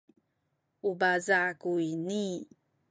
u paza’ kuyni.